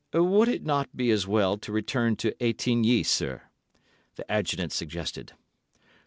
"Would it not be as well to return to Etigny, sir," the Adjutant suggested.